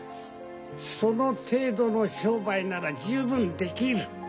その程度の商売なら十分できる。